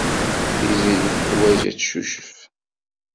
Tiziri teḥwaj ad teccucef.